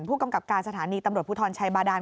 ผู้กำกับการสถานีตำรวจภูทรชัยบาดาน